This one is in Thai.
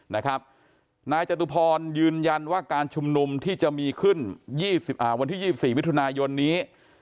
นายจตุพรยืนยันว่าการชุมนุมที่จะมีขึ้นวันที่๒๔มิถุนายนนี้